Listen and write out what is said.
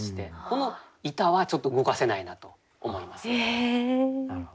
この「ゐた」はちょっと動かせないなと思いますね。